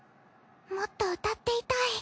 もっと歌っていたい。